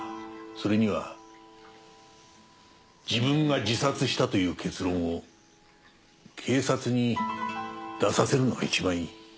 それには自分が自殺したという結論を警察に出させるのが一番いい。